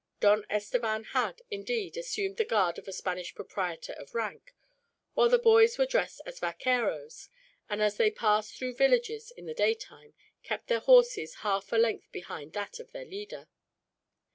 Don Estevan had, indeed, assumed the garb of a Spanish proprietor of rank, while the boys were dressed as vaqueros; and as they passed through villages, in the daytime, kept their horses half a length behind that of their leader.